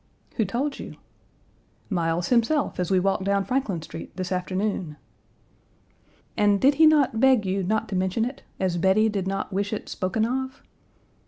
"Who told you?" "Miles himself, as we walked down Franklin Street, this afternoon." "And did he not beg you not to mention it, as Bettie did not wish it spoken of?"